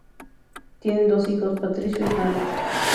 Tienen dos hijos, Patricio y Hana.